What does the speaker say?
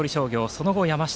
その後に山下。